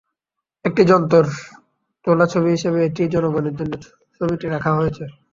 একটি জন্তুর তোলা ছবি হিসেবে এটি জনগণের জন্য ছবিটি রাখা হয়েছে।